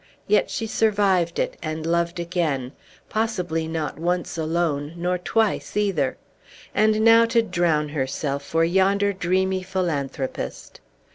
Yet she survived it, and loved again, possibly not once alone, nor twice either. And now to drown herself for yonder dreamy philanthropist!"